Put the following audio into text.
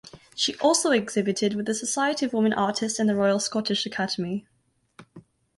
She also exhibited with the Society of Women Artists and the Royal Scottish Academy.